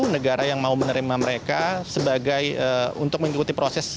negara yang mau menerima mereka sebagai untuk mengikuti proses